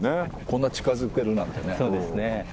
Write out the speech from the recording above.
こんな近づけるなんてね。